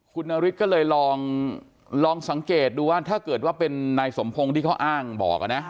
คุณนฤทธิ์ก็เลยลองสังเกตดูว่าถ้าเกิดว่าเป็นนายสมพงศ์ที่เขาอ้างบอกนะ